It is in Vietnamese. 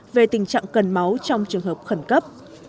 về tình trạng cần máu trong trường hợp khẩn cấp